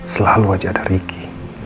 selalu aja ada riki